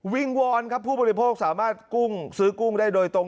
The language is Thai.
งวอนครับผู้บริโภคสามารถกุ้งซื้อกุ้งได้โดยตรง